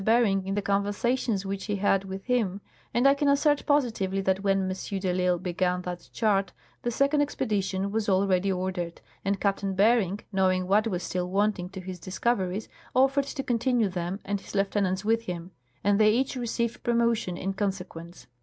Bering in the conversations which he had with him ; and I can assert positively that when M. de I'Isle began that chart the second expedition was already ordered, and Captain Bering, knowing what was still wanting to his discoveries, offered to continue them and his lieutenants with him ; and they each received promotion in conse quence.